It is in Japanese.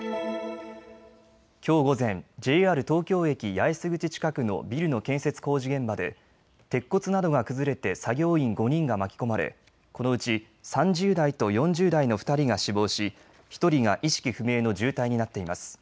きょう午前、ＪＲ東京駅八重洲口近くのビルの建設工事現場で鉄骨などが崩れて作業員５人が巻き込まれ、このうち３０代と４０代の２人が死亡し、１人が意識不明の重体になっています。